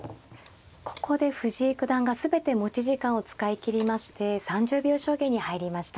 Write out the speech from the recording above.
ここで藤井九段が全て持ち時間を使い切りまして３０秒将棋に入りました。